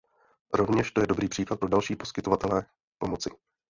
Rovněž to je dobrý příklad pro další poskytovatele pomoci.